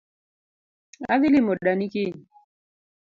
Adhii limo dani kiny